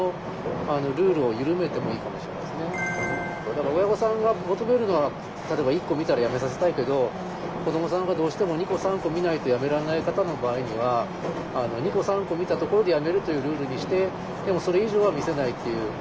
だから親御さんが求めるのは例えば１個見たらやめさせたいけど子どもさんがどうしても２個３個見ないとやめられない方の場合には２個３個見たところでやめるというルールにしてでもそれ以上は見せないっていう。